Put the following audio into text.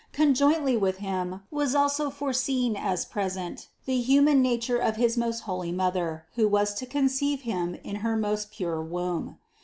Conjointly with Him was also foreseen as present the human nature of his most holy Mother, who was to conceive Him in her most pure womb.